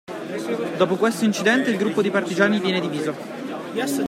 Dopo questo incidente il gruppo di partigiani viene diviso.